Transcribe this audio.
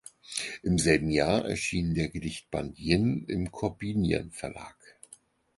Im selben Jahr erschien der Gedichtband "Yin" im Korbinian Verlag.